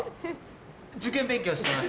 受験勉強してます。